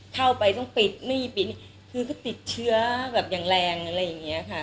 เข้าไปต้องปิดนี่ปิดนี่คือก็ติดเชื้อแบบอย่างแรงอะไรอย่างนี้ค่ะ